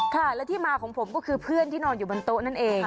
ค่ะและที่มาของผมก็คือเพื่อนที่นอนอยู่บนโต๊ะนั่นเอง